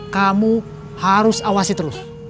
kamu harus awasi terus